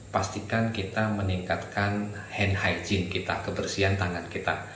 pastikan kita meningkatkan hand hygiene kita kebersihan tangan kita